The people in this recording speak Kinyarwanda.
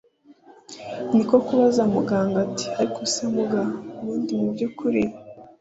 niko kubaza muganga ati ariko se muga ubundi mu byukuri